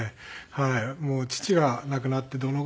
「もう父が亡くなってどのぐらいか」って。